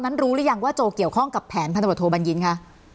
รู้หรือยังว่าโจเกี่ยวข้องกับแผนพันธบทโทบัญญินคะ